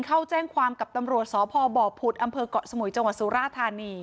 เข้าแจ้งความกับตำรวจสพบผุดอำเภอกเกาะสมุยจังหวัดสุราธานี